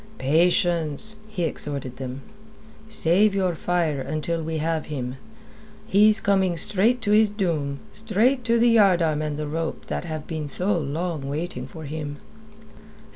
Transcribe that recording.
"Patience," he exhorted them. "Save your fire until we have him. He is coming straight to his doom straight to the yardarm and the rope that have been so long waiting for him."